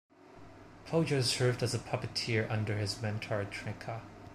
Pojar served as a puppeteer under his mentor Trnka.